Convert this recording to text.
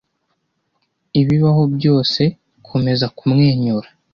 Ibibaho byose, komeza kumwenyura.